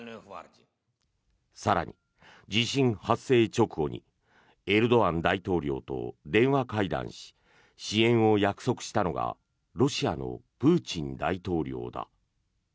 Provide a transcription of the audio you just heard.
更に、地震発生直後にエルドアン大統領と電話会談し支援を約束したのがロシアのプーチン大統領だ。